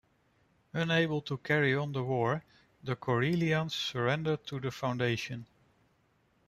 Unable to carry on the war, the Korellians surrender to the Foundation.